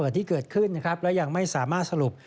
ระเบิดที่เกิดขึ้นและยังไม่สามารถสรุป